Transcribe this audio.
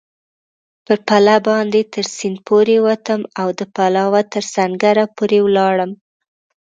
پر پله باندې تر سیند پورېوتم او د پلاوا تر سنګره پورې ولاړم.